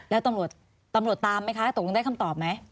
แล้วตำรวจตามไหมคะตกลงได้คำตอบไหม